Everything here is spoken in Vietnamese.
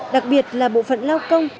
đặc biệt là bộ phận lao công